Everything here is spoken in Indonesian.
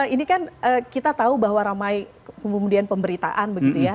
ini kan kita tahu bahwa ramai kemudian pemberitaan begitu ya